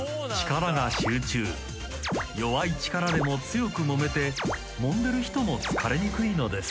［弱い力でも強くもめてもんでる人も疲れにくいのです］